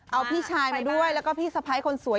เอาพี่ชายมาด้วยแล้วก็พี่สะพ้ายคนสวย